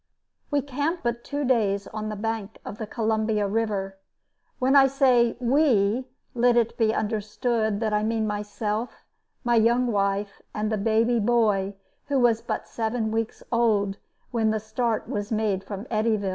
We camped but two days on the bank of the Columbia River. When I say "we," let it be understood that I mean myself, my young wife, and the baby boy who was but seven weeks old when the start was made from Eddyville.